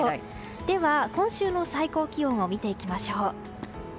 では今週の最高気温を見ていきましょう。